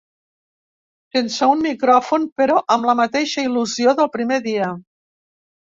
Sense un micròfon, però amb la mateixa il·lusió del primer dia.